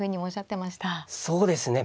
そうですね